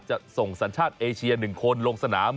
ส่งสัญชาติเอเชีย๑คนลงสนาม